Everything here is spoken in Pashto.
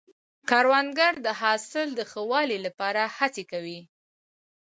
کروندګر د حاصل د ښه والي لپاره هڅې کوي